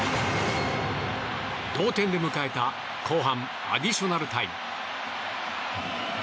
同点で迎えた後半アディショナルタイム。